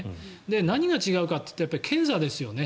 何が違うかというとやっぱり検査ですよね。